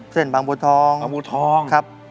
เส้นบางบัวทอง